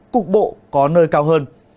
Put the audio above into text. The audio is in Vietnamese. cục bộ có nơi cao hơn